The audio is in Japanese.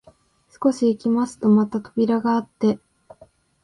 少し行きますとまた扉があって、